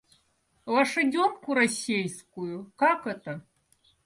Лошаденку рассейскую, как это?